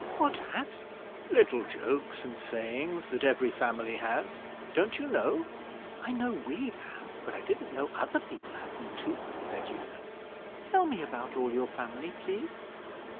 'What at?' 'Little jokes and sayings that every family has. Don't you know?' 'I know we have, but I didn't know other people had them too,' said Una. 'Tell me about all your family, please.'